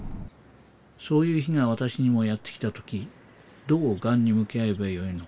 そういう日が私にもやって来た時どうがんに向き合えばよいのか。